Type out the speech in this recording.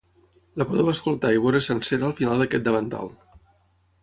La podeu escoltar i veure sencera al final d’aquest davantal.